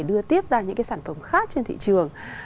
đưa tiếp ra những cái sản phẩm khác trên thị trường